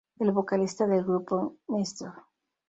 El vocalista del grupo, Mr.